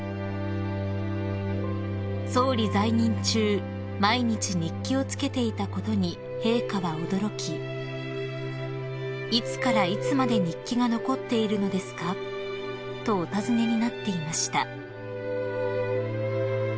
［総理在任中毎日日記をつけていたことに陛下は驚き「いつからいつまで日記が残っているのですか？」とお尋ねになっていました］